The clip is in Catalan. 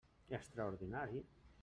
Extraordinari!